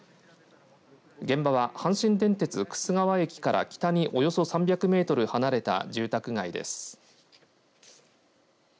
現場は阪神電鉄久寿川駅から北におよそ３００メートル離れた住宅街です。